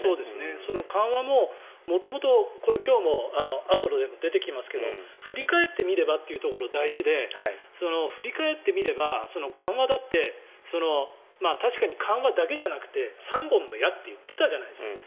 その緩和も元々、今日もあとでも出てきますけど振り返ってみればというところが大事で振り返ってみれば、緩和だって確かに緩和だけじゃなくて３本の矢って言ってたじゃないですか。